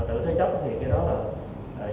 thì tổ chức kinh tế